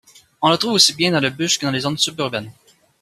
On le trouve aussi bien dans le bush que dans les zones suburbaines.